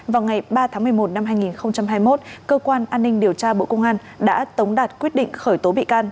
vào ngày ba tháng một mươi một năm hai nghìn hai mươi một cơ quan an ninh điều tra bộ công an đã tống đạt quyết định khởi tố bị can